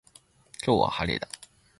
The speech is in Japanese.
今日は晴れだ